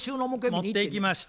持っていきました。